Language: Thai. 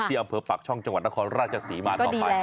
ที่เอาเพิ่มปากช่องจังหวัดนครราชศรีมาต่อไป